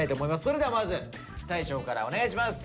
それではまず大昇からお願いします！